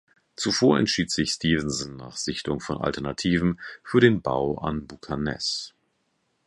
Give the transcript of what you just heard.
Zuvor entschied sich Stevenson nach Sichtung von Alternativen für den Bau am Buchan Ness.